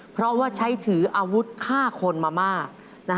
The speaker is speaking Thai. เพราะว่าใช้ถืออาวุธฆ่าคนมามาก